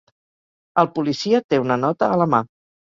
El policia té una nota a la mà.